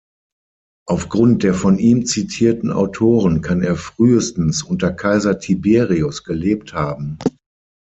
Aufgrund der von ihm zitierten Autoren kann er frühestens unter Kaiser Tiberius gelebt haben.